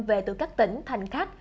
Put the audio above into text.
về từ các tỉnh thành khác